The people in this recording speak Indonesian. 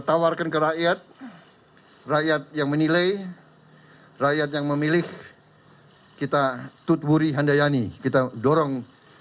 tawarkan ke rakyat rakyat yang menilai rakyat yang memilih kita tut wuri handayani kita dorong